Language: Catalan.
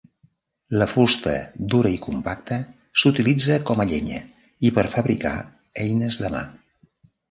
La fusta, dura i compacta, s'utilitza com a llenya i per fabricar eines de mà.